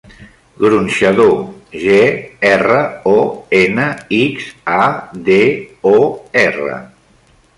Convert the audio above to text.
Gronxador: ge, erra, o, ena, ics, a, de, o, erra.